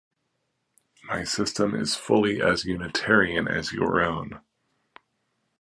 My system is fully as unitarian as your own.